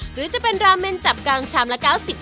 หรือจะเป็นราเมนจับกางชามละ๙๐บาท